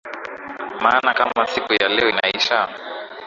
Maana kama siku ya leo inaisha